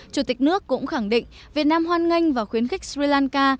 chủ tịch nước cũng khẳng định việt nam hoan nghênh và khuyến khích sri lanka